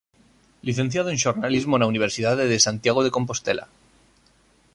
Licenciado en Xornalismo na Universidade de Santiago de Compostela.